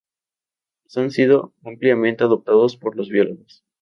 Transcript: Los han sido ampliamente adoptados por los biólogos.